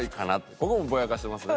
ここもぼやかしてますね。